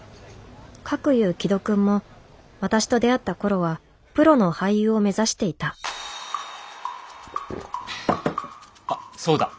かくいう紀土くんも私と出会った頃はプロの俳優を目指していたあっそうだ。